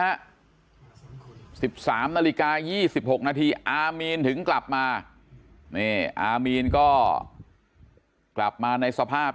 ๑๓นาฬิกา๒๖นาทีอามีนถึงกลับมานี่อามีนก็กลับมาในสภาพ